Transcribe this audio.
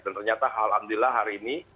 dan ternyata alhamdulillah hari ini